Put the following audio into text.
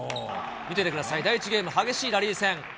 見ててください、第１ゲーム、激しいラリー戦。